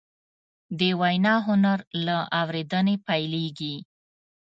د وینا هنر له اورېدنې پیلېږي